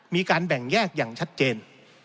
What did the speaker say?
มีการแบ่งแยกอย่างชัดเจน